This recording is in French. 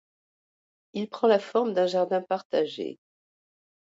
Il prend la forme d'un jardin partagé.